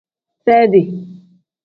Seedi.